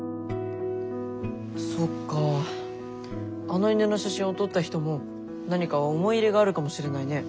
あの犬の写真を撮った人も何か思い入れがあるかもしれないね。